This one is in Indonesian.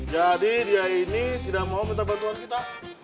jadi dia ini tidak mau minta bantuan kita